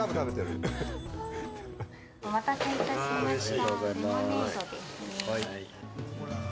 お待たせいたしました。